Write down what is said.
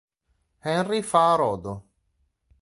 Henry Fa'arodo